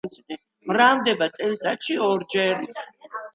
მრავლდება წელიწადში ორჯერ.